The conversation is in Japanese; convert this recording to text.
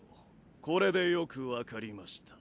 これでよくわかりました。